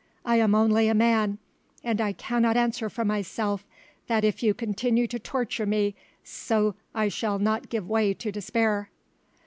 I am only a man, and I cannot answer for myself that if you continue to torture me so I shall not give way to despair."